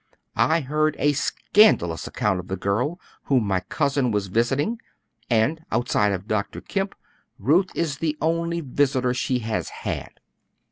I heard a scandalous account of the girl whom my cousin was visiting, and, outside of Dr. Kemp, Ruth is the only visitor she has had."